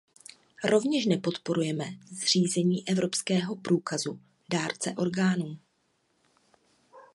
Rovněž nepodporujeme zřízení evropského průkazu dárce orgánů.